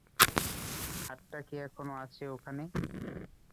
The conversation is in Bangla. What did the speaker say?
হাতটা কি এখনো আছে ওখানে?